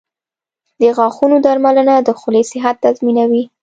• د غاښونو درملنه د خولې صحت تضمینوي.